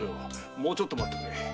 もうちょっと待ってくれ。